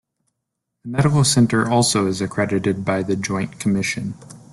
The Medical Center also is accredited by The Joint Commission.